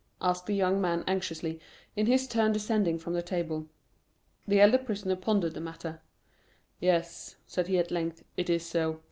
asked the young man anxiously, in his turn descending from the table. The elder prisoner pondered the matter. "Yes," said he at length, "it is so.